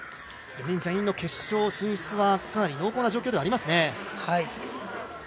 ４人全員の決勝進出は濃厚な状況ではありますね。